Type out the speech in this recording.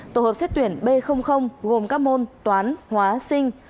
tổ hợp xét tuyển b gồm các môn toán hóa sinh